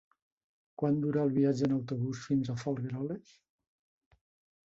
Quant dura el viatge en autobús fins a Folgueroles?